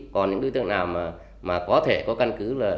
còn đối tượng nào có căn cứ